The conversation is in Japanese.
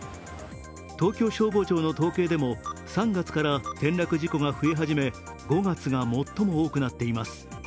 東京消防庁の統計でも３月から転落事故が増え始め５月が最も多くなっています。